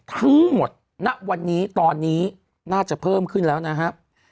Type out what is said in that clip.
ทั้งหมดณวันนี้ตอนนี้น่าจะเพิ่มขึ้นแล้วนะครับ